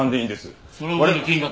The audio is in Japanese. その分の金額